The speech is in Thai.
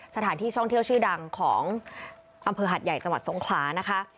สถานที่ท่องเที่ยวชื่อดังของอำเภอหัดใหญ่จังหวัดทรงคลานะคะ